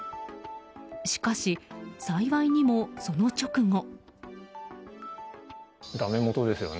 しかし、幸いにもその直後。